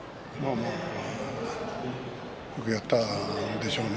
よくやったんでしょうね。